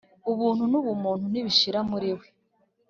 Ubuntu nubumuntu ntibishira muri we